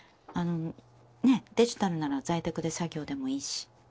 あのねぇデジタルなら在宅で作業でもいいし。